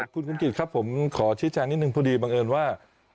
คุณคุณกิจครับผมขอชี้แจงนิดนึงพอดีบังเอิญว่า